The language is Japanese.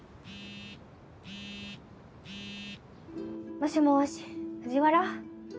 もしもし藤原？